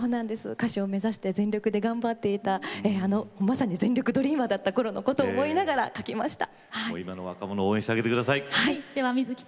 歌手を目指して全力で頑張っていたまさに「全力ＤＲＥＡＭＥＲ」だったころを思いながら書きました。